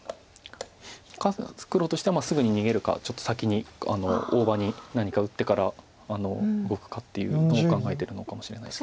黒としてはすぐに逃げるかちょっと先に大場に何か打ってから動くかっていうのを考えてるのかもしれないです。